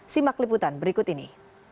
simak liputan berikut ini